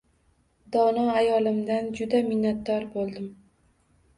Dono ayolimdan juda minnatdor boʻldim